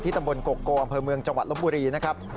ตำบลโกโกอำเภอเมืองจังหวัดลบบุรีนะครับ